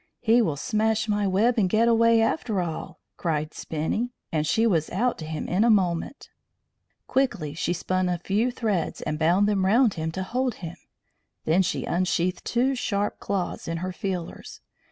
"He will smash my web and get away, after all," cried Spinny, and she was out to him in a moment. Quickly she spun a few threads and bound them round him to hold him. Then she unsheathed two sharp claws in her feelers.